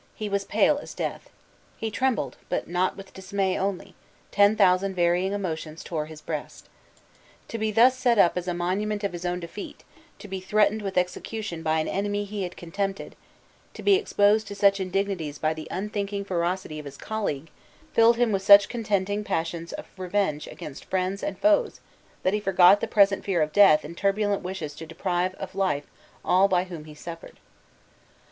He was pale as death. He trembled, but not with dismay only; ten thousand varying emotions tore his breast. To be thus set up as a monument of his own defeat, to be threatened with execution by an enemy he had contemned, to be exposed to such indignities by the unthinking ferocity of his colleague, filled him with such contending passions of revenge against friends and foes, that he forgot the present fear of death in turbulent wishes to deprive of life all by whom he suffered.